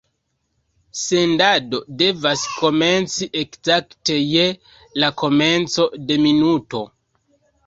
Sendado devas komenci ekzakte je la komenco de minuto.